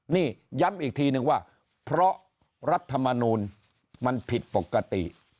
นี่ย้ำอีกทีนึงว่าเพราะรัฐมนูลมันผิดปกติ